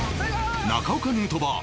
中岡ヌートバー